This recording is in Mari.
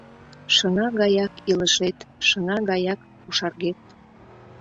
Шыҥа гаяк илышет — шыҥа гаяк кошаргет.